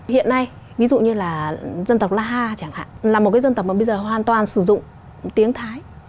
hiện nay ví dụ như là dân tộc la ha chẳng hạn là một cái dân tộc mà bây giờ hoàn toàn sử dụng tiếng thái